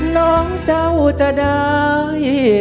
น้องเจ้าจะได้